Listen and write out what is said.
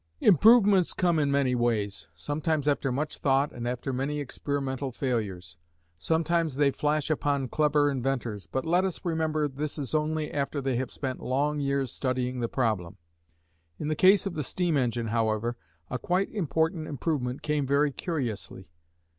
Improvements come in many ways, sometimes after much thought and after many experimental failures. Sometimes they flash upon clever inventors, but let us remember this is only after they have spent long years studying the problem. In the case of the steam engine, however, a quite important improvement came very curiously.